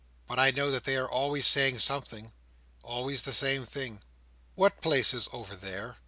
"But I know that they are always saying something. Always the same thing. What place is over there?"